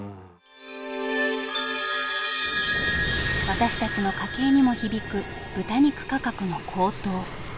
私たちの家計にも響く豚肉価格の高騰。